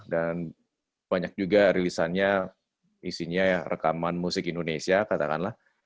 dan banyak juga rilisannya isinya rekaman musik indonesia katakanlah